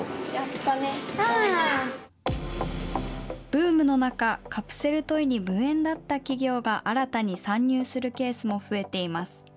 ブームの中、カプセルトイに無縁だった企業が、新たに参入するケースも増えています。